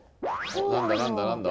何だ何だ何だ？